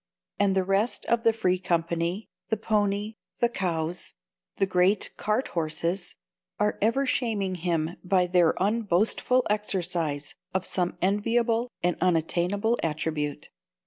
And the rest of the Free Company,—the pony, the cows, the great cart horses,—are ever shaming him by their unboastful exercise of some enviable and unattainable attribute.